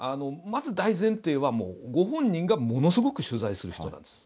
まず大前提はもうご本人がものすごく取材する人なんです。